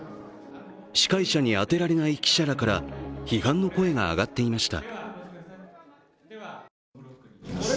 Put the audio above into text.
司会者に当てられない記者らから批判の声が上がっていました。